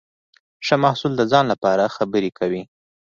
ښه محصول د ځان لپاره خبرې کوي.